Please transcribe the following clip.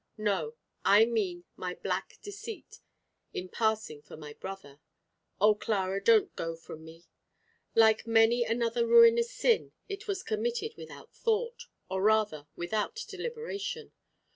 No, I mean my black deceit, in passing for my brother. Oh, Clara, don't go from me. Like many another ruinous sin, it was committed without thought, or rather without deliberation.